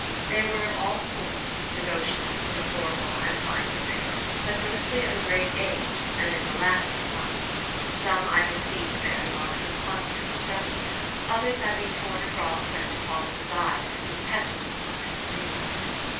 They were of all sorts, devotional, historical, and scientific, but mostly of a great age and in the Latin tongue. Some I could see to bear the marks of constant study; others had been torn across and tossed aside as if in petulance or disapproval.